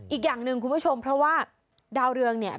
อีกอย่างหนึ่งคุณผู้ชมเพราะว่าดาวเรืองเนี่ย